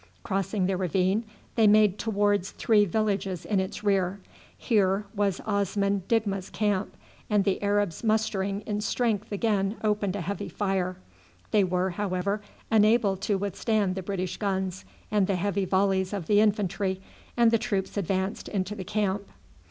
Crossing the ravine they made towards three villages in its rear. Here was Osman Digma's camp, and the Arabs mustering in strength again opened a heavy fire. They were, however, unable to withstand the British guns and the heavy volleys of the infantry, and the troops advanced into the camp.